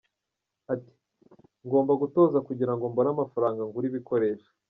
Ati “Ngomba gutoza kugira ngo mbone amafaranga ngura ibikoresho.